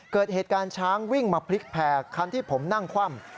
เกิดเหตุการณ์ช้างวิ่งมาพลิกแผ่คันที่ผมนั่งคว่ำ